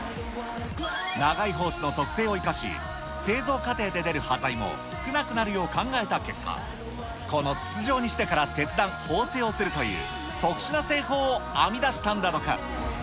長いホースの特性を生かし、製造過程で出る端材も少なくなるよう考えた結果、この筒状にしてから切断、縫製をするという特殊な製法を編み出したんだとか。